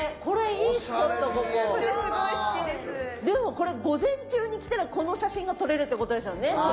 でもこれ午前中に来たらこの写真が撮れるって事ですよね？